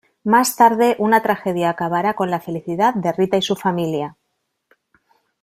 Más tarde una tragedia acabará con la felicidad de Rita y su familia.